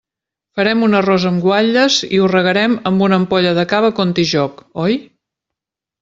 Farem un arròs amb guatlles i ho regarem amb una ampolla de cava Contijoch, oi?